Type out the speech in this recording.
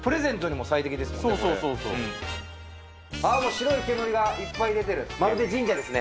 これもう白い煙がいっぱい出てるまるで神社ですね